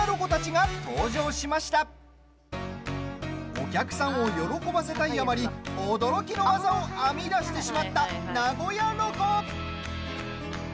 お客さんを喜ばせたいあまり驚きの技を編み出してしまった名古屋ロコ。